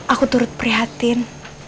aku turut prihatin